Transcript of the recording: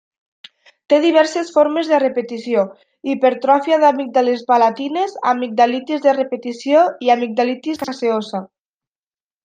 Té diverses formes de repetició: hipertròfia d'amígdales palatines, amigdalitis de repetició, i amigdalitis caseosa.